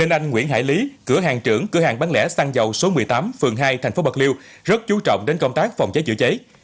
nên anh nguyễn hải lý cửa hàng trưởng cửa hàng bán lẻ xăng dầu số một mươi tám phường hai thành phố bạc liêu rất chú trọng đến công tác phòng cháy chữa cháy